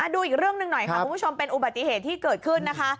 ดูอีกเรื่องหนึ่งหน่อยค่ะคุณผู้ชมเป็นอุบัติเหตุที่เกิดขึ้นนะคะ